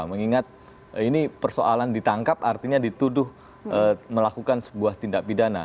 mengingat ini persoalan ditangkap artinya dituduh melakukan sebuah tindak pidana